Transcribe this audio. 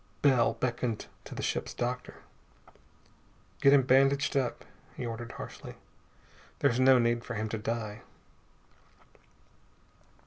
Bell beckoned to the ship's doctor. "Get him bandaged up," he ordered harshly. "There's no need for him to die."